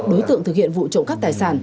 đối tượng thực hiện vụ trộm các tài sản